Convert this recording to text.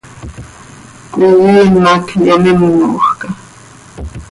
Cöihiim hac yomímojca.